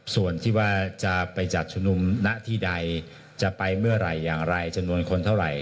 ส่วนที่ว่าจะไปจัดชุมนุมณที่ใดจะไปเมื่อไหร่อย่างไรจำนวนคนเท่าไหร่